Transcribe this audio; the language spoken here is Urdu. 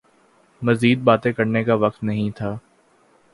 مزید باتیں کرنے کا وقت نہیں تھا